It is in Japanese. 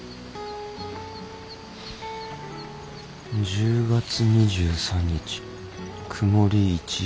「１０月２３日曇り一時雨。